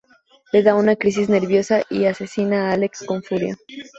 Le da una crisis nerviosa y asesina a Alec con furia.